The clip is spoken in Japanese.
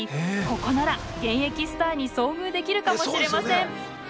ここなら現役スターに遭遇できるかもしれません。